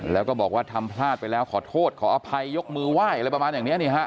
แล้วก็บอกว่าทำพลาดไปแล้วขอโทษขออภัยยกมือไหว้อะไรประมาณอย่างนี้